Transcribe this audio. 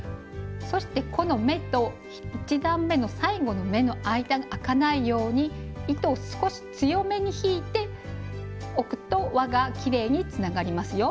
そしてこの目と１段めの最後の目の間があかないように糸を少し強めに引いておくと輪がきれいにつながりますよ。